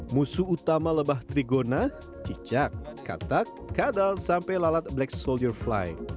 musuh utama lebah trigona cicak katak kadal sampai lalat black soldier fly